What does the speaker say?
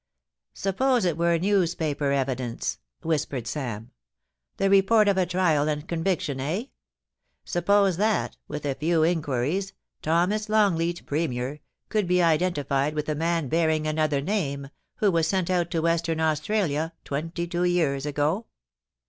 * Suppose it were newspaper evidence,' whispered Sam. * The report of a trial and conviction, eh ? Suppose that, with a few inquiries, Thomas Longleat, Premier, could be identified with a man bearing another name, who was sent out to Western Australia twenty two years ago?